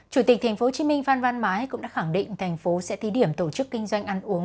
chủ tịch tp hcm phan văn mãi cũng đã khẳng định thành phố sẽ thi điểm tổ chức kinh doanh ăn uống